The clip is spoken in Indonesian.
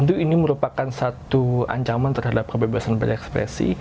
tentu ini merupakan satu ancaman terhadap kebebasan berekspresi